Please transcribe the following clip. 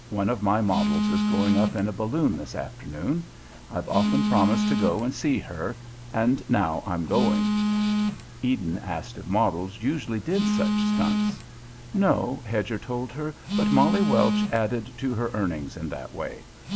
One of my models is going up in a balloon this afternoon. I've often promised to go and see her, and now I'm going." Eden asked if models usually did such stunts. No, Hedger told her, but Molly Welch added to her earnings in that way.